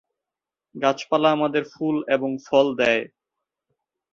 গাছপালা আমাদের ফুল এবং ফল দেয়।